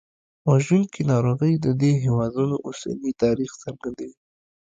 وژونکي ناروغۍ د دې هېوادونو اوسني تاریخ څرګندوي.